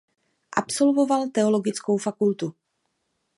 Absolvoval teologickou fakultu.